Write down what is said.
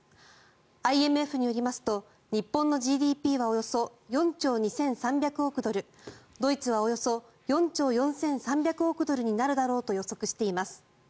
ＩＭＦによりますと日本のＧＤＰはおよそ４兆２３００億ドルドイツはおよそ４兆４３００億ドルになるだろうと予測しています。